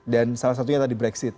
dan salah satunya tadi brexit